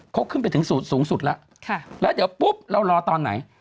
เขาขึ้นไปถึงสูงสุดแล้วแล้วเดี๋ยวปุ๊บเรารอตอนไหน